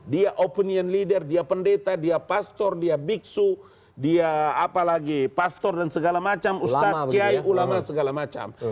dia pendeta pendeta pastor biksu pastor ulama dan segala macam